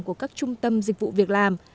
của các trung tâm dịch vụ việc làm